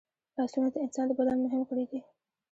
لاسونه د انسان د بدن مهم غړي دي